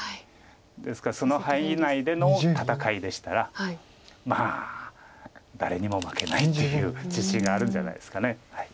ですからその範囲内での戦いでしたらまあ誰にも負けないっていう自信があるんじゃないですか。